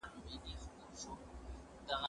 هغه څوک چي انځور ګوري زده کوي،